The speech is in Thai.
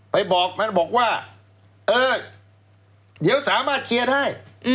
ไปบอกมันบอกว่าเออเดี๋ยวสามารถเคลียร์ได้